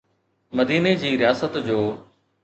مديني جي رياست جو.